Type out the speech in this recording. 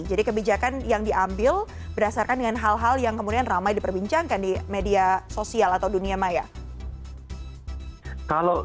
jadi kebijakan yang diambil berdasarkan dengan hal hal yang kemudian ramai diperbincangkan di media sosial atau dunia maya